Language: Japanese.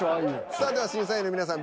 さあでは審査員の皆さん